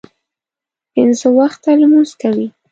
پنځه وخته لمونځ کوي.